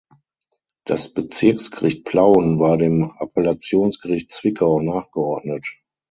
Das Bezirksgericht Plauen war dem Appellationsgericht Zwickau nachgeordnet.